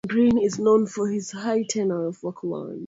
Green is known for his high tenor vocal range.